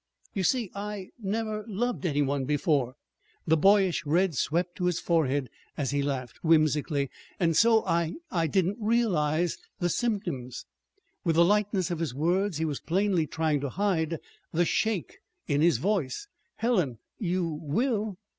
You see, I I never loved any one before," the boyish red swept to his forehead as he laughed whimsically, "and so I I didn't recognize the symptoms!" With the lightness of his words he was plainly trying to hide the shake in his voice. "Helen, you will?"